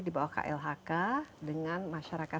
dibawa klhk dengan masyarakat